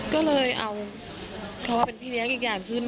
ก็เลยเอาเขามาเป็นพี่เลี้ยงอีกอย่างขึ้น